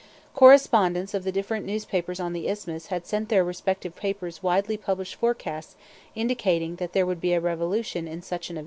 Correspondents of the different newspapers on the Isthmus had sent to their respective papers widely published forecasts indicating that there would be a revolution in such event.